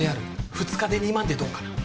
２日で２万でどうかな？